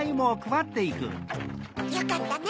よかったね